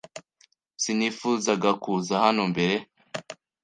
Sinifuzaga kuza hano mbere.